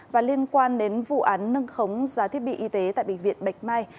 và liên quan đến vụ án nâng khống giá thiết bị y tế tại bệnh viện bạch mai